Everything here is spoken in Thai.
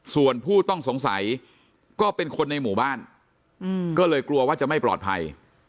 ส่วนผู้ต้องสงสัยก็เป็นคนในหมู่บ้านก็เลยกลัวว่าจะไม่ปลอดภัย